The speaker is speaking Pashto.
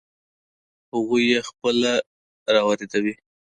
هغوی یې خپله را واردوي.